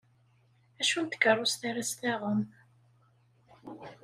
Acu n tkerrust ara s-taɣem?